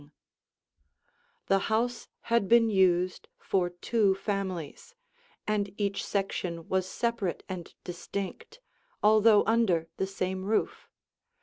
[Illustration: Before Remodeling] The house had been used for two families, and each section was separate and distinct, although under the same roof.